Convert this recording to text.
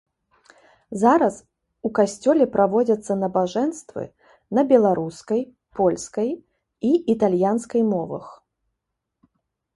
Зараз у касцёле праводзяцца набажэнствы на беларускай, польскай і італьянскай мовах.